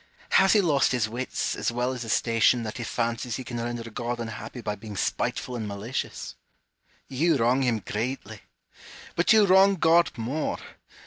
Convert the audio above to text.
Hume. Has he lost his wits, as well as his station, that he fancies he can render God unhappy by being spiteful and malicious 1 You wrong him greatly; but you wrong God more.